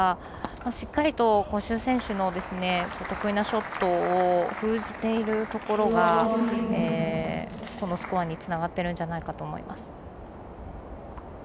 しっかりと、朱選手の得意なショットを封じているところがこのスコアにつながってるんじゃないかなと思います。